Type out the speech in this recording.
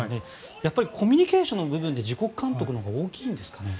やっぱりコミュニケーションの部分で自国監督のほうが大きいんですかね。